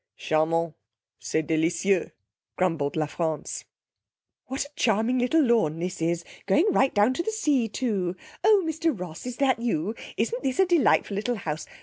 'Charmant. C'est délicieux,' grumbled La France. 'What a charming little lawn this is, going right down to the sea, too. Oh, Mr Ross, is that you? Isn't this a delightful little house?